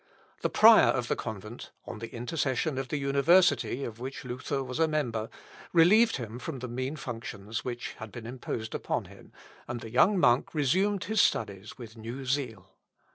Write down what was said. The prior of the convent, on the intercession of the university of which Luther was a member, relieved him from the mean functions which had been imposed on him, and the young monk resumed his studies with new zeal.